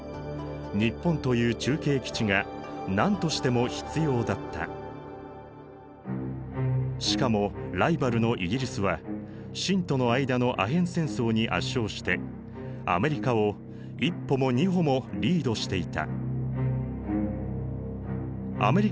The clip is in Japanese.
太平洋を横断してしかもライバルのイギリスは清との間のアヘン戦争に圧勝してアメリカを１歩も２歩もリードしていた。